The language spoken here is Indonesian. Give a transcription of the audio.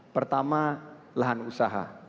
pertama lahan usaha